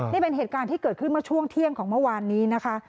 นี่เป็นเหตุการณ์ที่เกิดขึ้นเมื่อช่วงเที่ยงของเมื่อวานนี้นะคะ